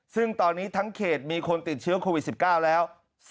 ซึ่งตอนนี้ทั้งเขตมีคนติดเชื้อโควิด๑๙แล้ว